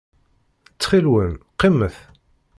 Ttxil-wen, qqimet.